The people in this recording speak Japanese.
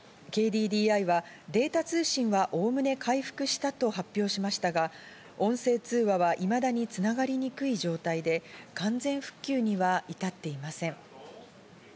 ＫＤＤＩはデータ通信はおおむね回復したと発表しましたが、音声通話はいまだに繋がりにくい状態で完全復旧には至っていません。